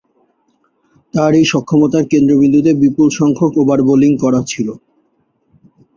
তার এই সক্ষমতার কেন্দ্রবিন্দুতে বিপুলসংখ্যক ওভার বোলিং করা ছিল।